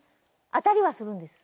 当たりはするんです。